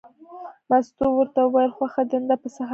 مستو ورته وویل خوښه دې نه ده پسه حلال کړو.